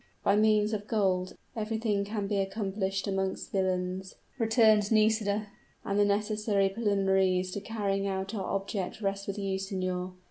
"By means of gold everything can be accomplished amongst villains," returned Nisida, "and the necessary preliminaries to the carrying out of our object rest with you, signor.